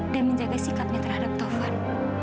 dan menjaga sikapnya terhadap taufan